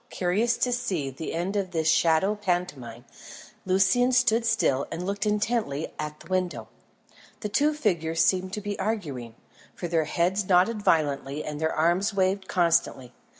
Curious to see the end of this shadow pantomime, Lucian stood still and looked intently at the window. The two figures seemed to be arguing, for their heads nodded violently and their arms waved constantly.